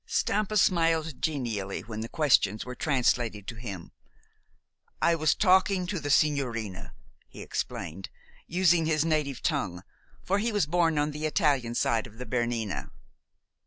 Stampa smiled genially when the questions were translated to him. "I was talking to the sigñorina," he explained, using his native tongue, for he was born on the Italian side of the Bernina.